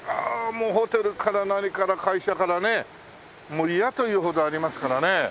もうホテルから何から会社からねもう嫌というほどありますからね。